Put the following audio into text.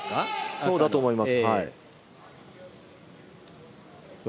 そうだと思います。